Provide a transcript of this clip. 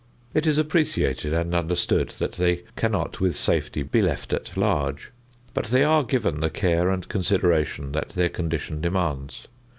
It is appreciated and understood that they cannot with safety be left at large; but they are given the care and consideration that their condition demands.